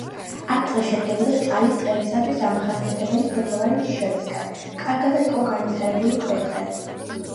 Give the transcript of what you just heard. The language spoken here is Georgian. აქ ტყე შედგებოდა ჭალის ტყეებისათვის დამახასიათებელი ფოთლოვანი ჯიშებისაგან, კარგადა იყო განვითარებული ქვეტყე.